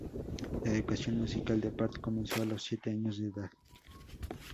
La educación musical de Pärt comenzó a los siete años de edad.